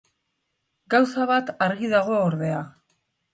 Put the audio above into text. Gauza bat argi dago, ordea.